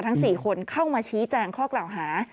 ทั้ง๔คนเข้ามาชี้แจงข้อกล่าวหา